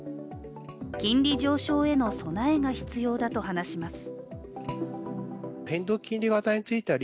金利上昇への備えが必要だと話します。